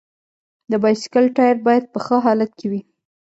د بایسکل ټایر باید په ښه حالت کې وي.